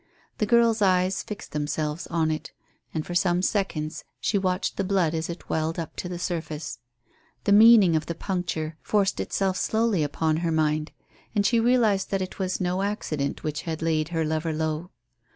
The girl's eyes fixed themselves on it, and for some seconds she watched the blood as it welled up to the surface. The meaning of the puncture forced itself slowly upon her mind, and she realized that it was no accident which had laid her lover low.